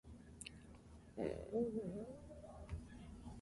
The esoteric programming language Thue is named after him.